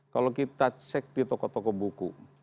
kalau kita cek di toko toko buku